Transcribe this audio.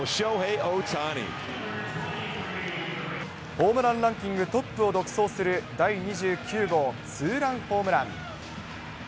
ホームランランキングトップを独走する第２９号ツーランホームラン。